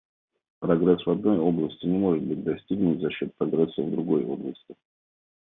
Прогресс в одной области не может быть достигнут за счет прогресса в другой области.